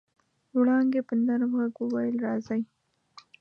وړانګې په نرم غږ وويل راځئ.